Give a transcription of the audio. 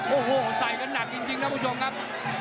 โอ้โหสายกระหนักจริงนะทุกชมครับ